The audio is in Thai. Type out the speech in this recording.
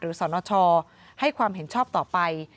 สนชให้ความเห็นชอบต่อไป